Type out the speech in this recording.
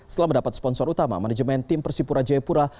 setelah mendapat sponsor utama manajemen tim persipura jayapura